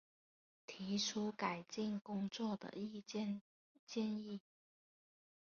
提出改进工作的意见建议